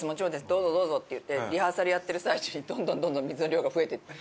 「どうぞどうぞ」って言ってリハーサルやってる最中にどんどんどんどん水の量が増えていって。